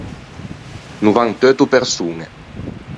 Novant’eutto persoñe.